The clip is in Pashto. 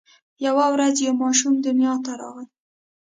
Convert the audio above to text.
یوه ورځ یو ماشوم دنیا ته راغی.